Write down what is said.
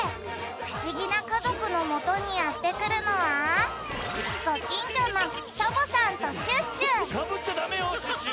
ふしぎなかぞくのもとにやってくるのはサボっちゃダメよシュッシュ！